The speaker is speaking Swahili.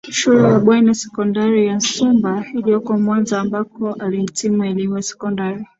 shule ya Bweni ya Sekondari ya Nsumba iliyoko Mwanza ambako alihitimu elimu ya Sekondari